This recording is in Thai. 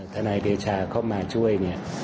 ธนายเดชาเข้ามาช่วย